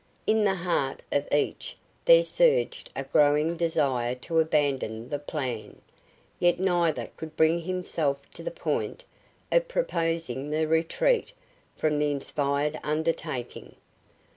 In the heart of each there surged a growing desire to abandon the plan, yet neither could bring himself to the point of proposing the retreat from the inspired undertaking.